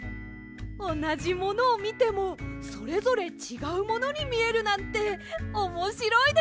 おなじものをみてもそれぞれちがうものにみえるなんておもしろいですね！